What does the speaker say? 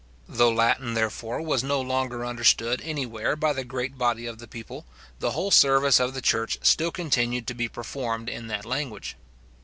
Though Latin, therefore, was no longer understood anywhere by the great body of the people, the whole service of the church still continued to be performed in that language.